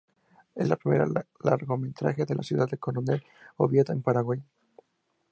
Es el primer largometraje de la ciudad de Coronel Oviedo, en Paraguay.